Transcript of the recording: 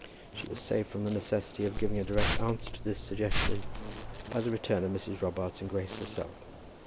She was saved from the necessity of giving a direct answer to this suggestion by the return of Mrs. Robarts and Grace herself.